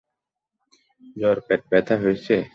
জ্বর, পেটব্যথা হয়েছে?